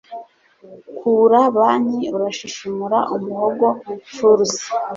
Kura banki ushishimura umuhogo furze